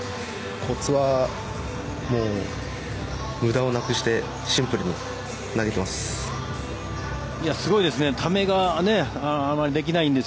コツは無駄をなくしてシンプルに投げてます。